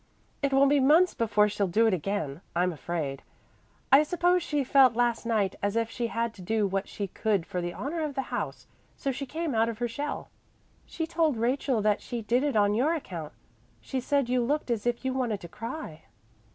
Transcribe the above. "It will be months before she'll do it again, I'm afraid. I suppose she felt last night as if she had to do what she could for the honor of the house, so she came out of her shell." "She told Rachel that she did it on your account. She said you looked as if you wanted to cry."